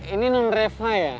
ini nen reva ya